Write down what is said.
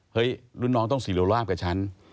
เฮ้ยรุ่นน้องต้องศรีรวราบกับฉัน